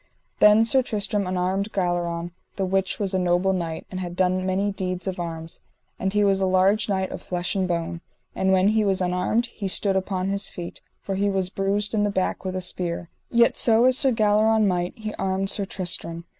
Then Sir Tristram unarmed Galleron, the which was a noble knight, and had done many deeds of arms, and he was a large knight of flesh and bone. And when he was unarmed he stood upon his feet, for he was bruised in the back with a spear; yet so as Sir Galleron might, he armed Sir Tristram.